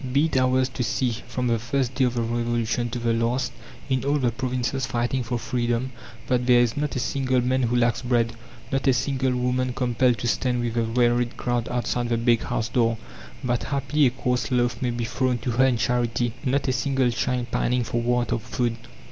Be it ours to see, from the first day of the Revolution to the last, in all the provinces fighting for freedom, that there is not a single man who lacks bread, not a single woman compelled to stand with the wearied crowd outside the bakehouse door, that haply a coarse loaf may be thrown to her in charity, not a single child pining for want of food.